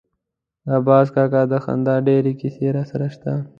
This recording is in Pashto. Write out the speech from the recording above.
د باز کاکا د خندا ډېرې کیسې راسره شته.